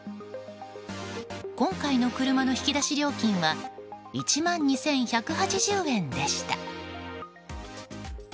今回の車の引き出し料金は１万２１８０円でした。